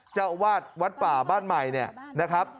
เจ้าอวาดวัดป่าบ้านใหม่นะครับ